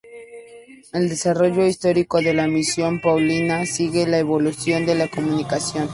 El desarrollo histórico de la misión paulina sigue la evolución de la comunicación.